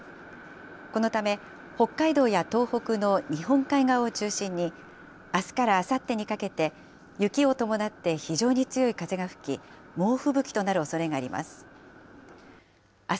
このため、北海道や東北の日本海側を中心に、あすからあさってにかけて、雪を伴って非常に強い風が吹き、猛吹雪となるおそれがあります。